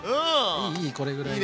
いいいいこれぐらいが。